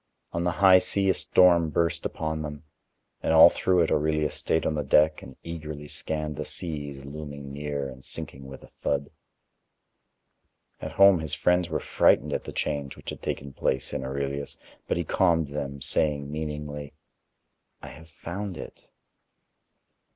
On the high sea a storm burst upon them, and all through it Aurelius stayed on the deck and eagerly scanned the seas looming near and sinking with a thud. At home his friends were frightened at the change which had taken place in Aurelius, but he calmed them, saying meaningly: "I have found it."